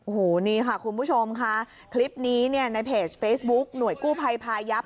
โอ้โหนี่ค่ะคุณผู้ชมค่ะคลิปนี้เนี่ยในเพจเฟซบุ๊คหน่วยกู้ภัยพายับ